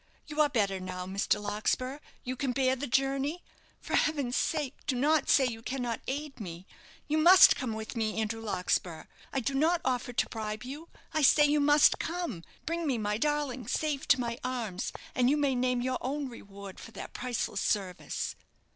"You are better now, Mr. Larkspur, you can bear the journey? For Heaven's sake, do not say you cannot aid me. You must come with me, Andrew Larkspur. I do not offer to bribe you I say you must come! Bring me my darling safe to my arms, and you may name your own reward for that priceless service."